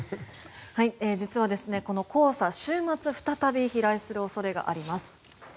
実は、この黄砂週末再び飛来する恐れがあります。